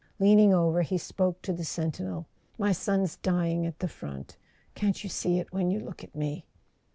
Leaning over, he spoke to the sentinel. "My son's dying at the front. Can't you see it when you look at me?"